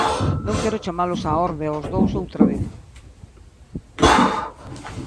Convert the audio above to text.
Non quero chamalos á orde aos dous outra vez.